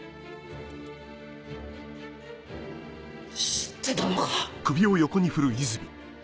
知ってたのか？